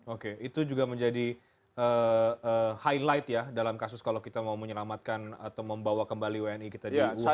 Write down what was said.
oke itu juga menjadi highlight ya dalam kasus kalau kita mau menyelamatkan atau membawa kembali wni kita di wuhan